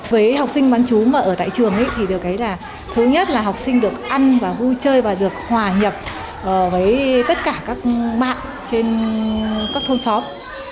với học sinh bán chú ở tại trường thì thứ nhất là học sinh được ăn và vui chơi và được hòa nhập với tất cả các bạn trên các thôn xóm